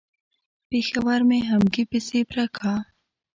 پېښور مې همګي پسې پره کا.